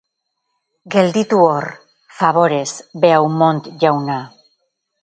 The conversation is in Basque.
Gelditu hor, faborez, Beaumont jauna.